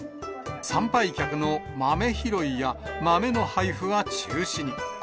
参拝客の豆拾いや、豆の配布は中止に。